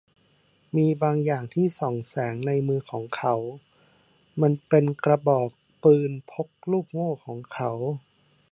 มีบางอย่างที่ส่องแสงในมือของเขา มันเป็นกระบอกปืนพกลูกโม้ของเขา